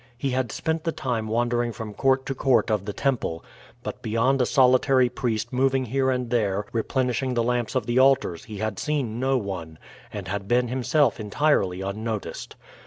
He had spent the time wandering from court to court of the temple, but beyond a solitary priest moving here and there replenishing the lamps of the altars he had seen no one, and had been himself entirely unnoticed.